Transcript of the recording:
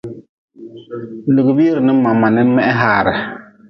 Lugʼbiire ninbam ma nin meh haare.